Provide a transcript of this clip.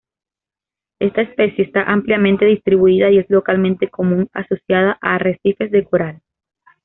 Esta especie está ampliamente distribuida y es localmente común, asociada a arrecifes de coral.